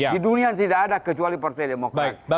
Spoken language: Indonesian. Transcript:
di dunia tidak ada kecuali partai demokrat